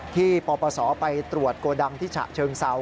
ปปศไปตรวจโกดังที่ฉะเชิงเซา